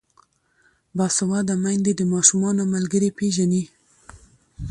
باسواده میندې د ماشومانو ملګري پیژني.